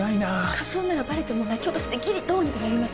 課長ならバレても泣き落としでギリどうにかなります。